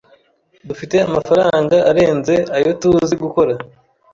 Dufite amafaranga arenze ayo tuzi gukora.